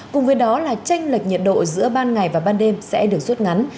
cùng với đó là tranh lệch nhiệt độ giữa ban ngày và ban đêm sẽ được rút ngắn